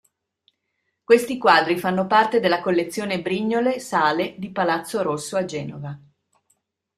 Questi quadri fanno parte della collezione Brignole Sale di Palazzo Rosso a Genova.